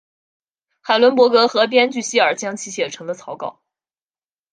海伦伯格和编剧希尔将其写成了草稿。